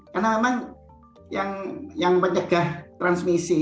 karena memang yang mencegah transmisi